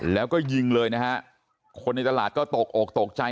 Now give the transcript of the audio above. แล้วก็ยิงเลยนะฮะคนในตลาดก็ตกอกตกใจ